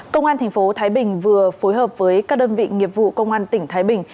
công an tp thái bình vừa phối hợp với các đơn vị nghiệp vụ công an tỉnh thái bình